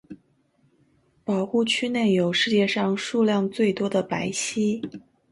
保护区内有世界上数量最多的白犀。